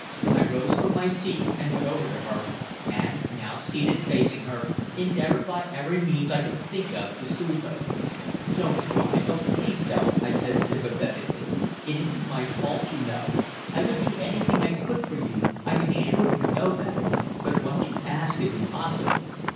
I rose from my seat and went over to her, and, now seated facing her, endeavoured by every means I could think of to soothe her. "Don't cry oh, please don't," I said sympathetically. "It isn't my fault, you know; I would do anything I could for you, I am sure you know that, but what you ask is impossible."